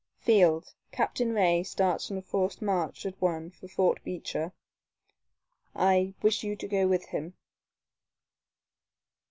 "Field, Captain Ray starts on a forced march at once for Fort Beecher. I wish you to go with him."